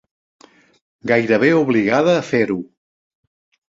Gairebé obligada a fer-ho.